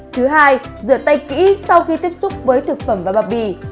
thứ hai rửa tay kỹ sau khi tiếp xúc với thực phẩm và bao bì